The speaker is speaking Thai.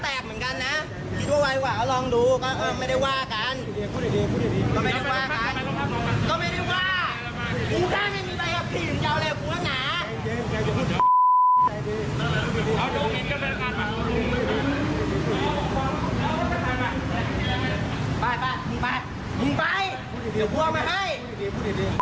ทางศนคลองตัวไปที่โรงพักษณ์ครับ